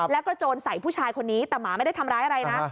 แล้วกระโจนใส่ผู้ชายคนนี้แต่หมาไม่ได้ทำร้ายอะไรนะ